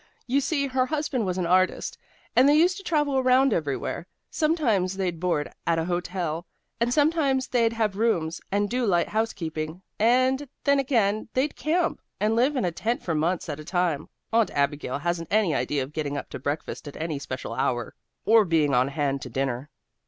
You see, her husband was an artist, and they used to travel around everywhere. Sometimes they'd board at a hotel, and sometimes they'd have rooms, and do light housekeeping, and, then again, they'd camp, and live in a tent for months at a time. And Aunt Abigail hasn't any idea of getting up to breakfast at any special hour, or being on hand to dinner."